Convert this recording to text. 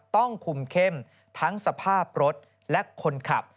ต้องคุมเข้มทั้งสภาพรถและคนขับ